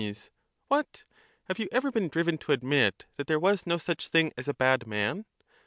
What! have you ever been driven to admit that there was no such thing as a bad man?